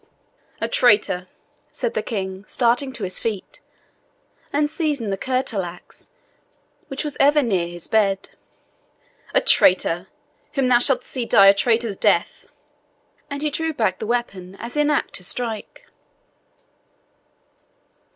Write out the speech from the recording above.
"A traitor," said the King, starting to his feet, and seizing the curtal axe, which was ever near his bed "a traitor! whom thou shalt see die a traitor's death." And he drew back the weapon as in act to strike.